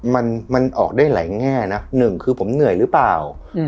มันมันออกได้หลายแง่นะหนึ่งคือผมเหนื่อยหรือเปล่า